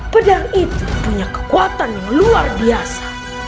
pedang itu punya kekuatan yang luar biasa